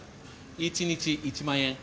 １日１万円。